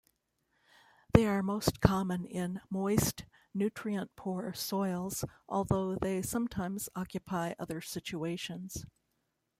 They are most common in moist nutrient-poor soils although they sometimes occupy other situations.